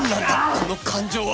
この感情は